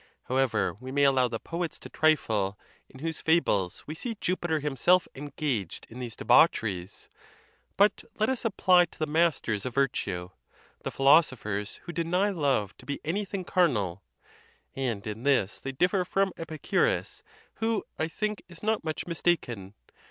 However, we may allow the poets to trifle, in whose fables we see Jupiter himself engaged in these de baucheries: but let us apply to the masters of virtue— the philosophers who deny love to be anything carnal; and in this they differ from Epicurus, who, I think, is not much mistaken.